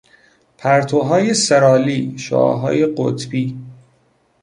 پرتوهای سرالی، شعاعهای قطبی